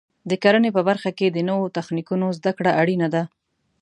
د کرنې په برخه کې د نوو تخنیکونو زده کړه اړینه ده.